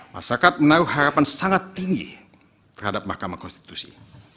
masyarakat menaruh harapan sangat tinggi terhadap mahkamah konstitusi